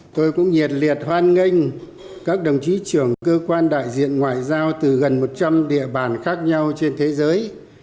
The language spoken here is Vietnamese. tôi cũng nhiệt liệt hoan nghênh các đồng chí trưởng cơ quan đại diện ngoại giao từ gần một trăm linh địa bàn khác nhau trên thế giới